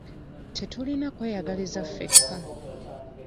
Tetulina kweyagaliza ffeka.